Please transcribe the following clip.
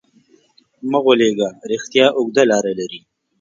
مه غولېږه، رښتیا اوږده لاره لري.